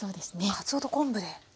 かつおと昆布で。